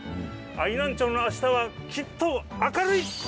愛南町のあしたはきっと明るい！